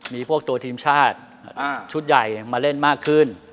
มีพวกตัวทีมชาติชุดใหญ่มาเล่นมากขึ้น